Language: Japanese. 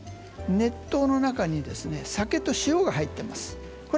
熱湯の中に酒と塩が入っています。